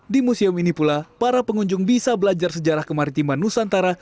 di museum ini pula para pengunjung bisa belajar sejarah kemaritiman nusantara